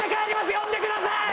呼んでください！